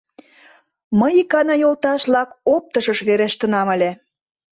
Мый икана, йолташ-влак, оптышыш верештынам ыле...